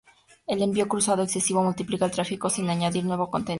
El envío cruzado excesivo multiplica el tráfico sin añadir nuevo contenido.